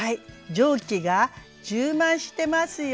蒸気が充満してますよ。